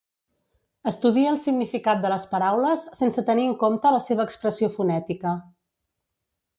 Estudia el significat de les paraules sense tenir en compte la seva expressió fonètica.